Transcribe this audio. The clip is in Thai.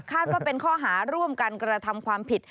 ว่าเป็นข้อหาร่วมกันกระทำความผิด